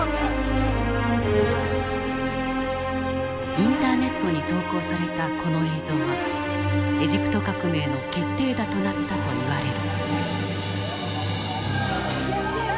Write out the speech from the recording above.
インターネットに投稿されたこの映像はエジプト革命の決定打となったといわれる。